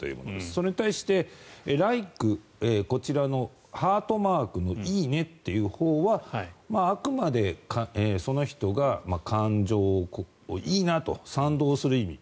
それに対してライクこちらのハートマークの「いいね」というほうはあくまでその人が感情をいいなと賛同する意味。